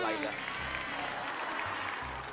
บิดิก